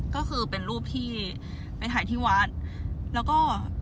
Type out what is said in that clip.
ก็คือเป็นรูปที่ไปถ่ายที่วัดแล้วก็